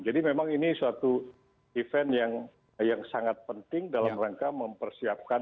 jadi memang ini suatu event yang sangat penting dalam rangka mempersiapkan